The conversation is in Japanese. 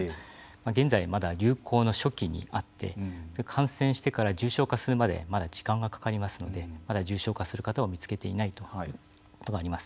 現在まだ流行の初期にあって感染してから重症化するまでまだ時間がかかりますのでまだ重症化する方を見つけていないということがあります。